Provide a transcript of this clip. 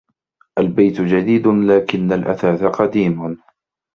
الْبَيْتُ جَدِيدٌ لَكِنَّ الْأثَاثَ قَدِيمٌ.